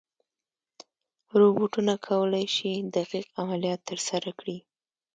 روبوټونه کولی شي دقیق عملیات ترسره کړي.